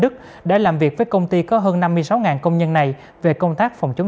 dù đây là tin vui nhưng không được chủ quan